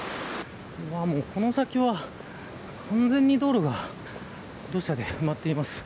この先は完全に道路が土砂で埋まっています。